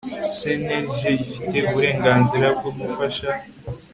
CNLG ifite uburenganzira bwo gufasha